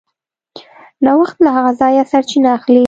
نوښت له هغه ځایه سرچینه اخلي.